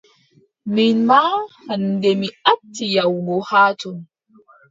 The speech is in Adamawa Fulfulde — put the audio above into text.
Min maa hannde mi acci yahugo haa ton.